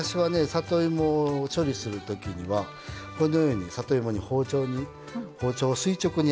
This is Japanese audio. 里芋を処理する時にはこのように里芋に包丁を垂直に当ててこそげていきます。